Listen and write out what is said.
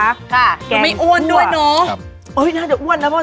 ใช่ก้ากันอ้วนด้วยเนอะครับเอ้ยน่าจะอ้วนนะว่าใช่ไหม